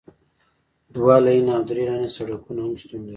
دوه لینه او درې لینه سړکونه هم شتون لري